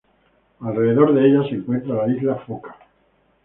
Alrededor de ella se encuentra la isla foca.